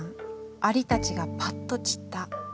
蟻たちがパッと散った。